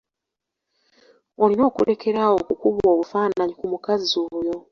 Olina okulekeraawo okukuba obufaananyi ki mukazi oyo.